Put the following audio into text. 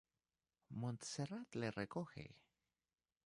Montserrat le recoge.